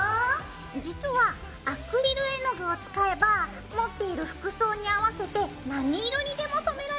実はアクリル絵の具を使えば持っている服装に合わせて何色にでも染められちゃうんだよ。